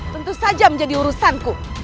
tentu saja menjadi urusanku